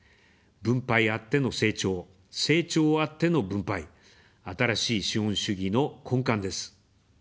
分配あっての成長、成長あっての分配、「新しい資本主義」の根幹です。